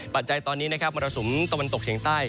ปัจจัยตอนนี้นะครับมรสุมตะวันตกเฉียงใต้